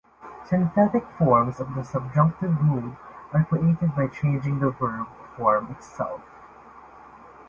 Synthetic forms of the subjunctive mood are created by changing the verb form itself.